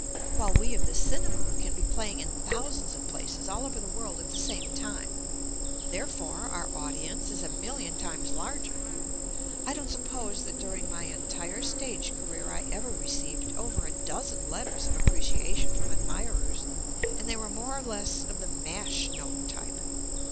While we of the cinema can be playing in thousands of places all over the world at the same time; therefore, our audience is a million times larger. I don't suppose that during my entire stage career I ever received over a dozen letters of JUST ME appreciation from admirers, and they were more or less of the "mash" note type.